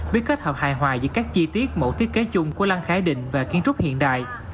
biết kết hợp hài hòa giữa các chi tiết mẫu thiết kế chung của lăng khái định và kiến trúc hiện đại